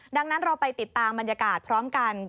ดังนั้นเราไปติดตามบรรยากาศพร้อมกัน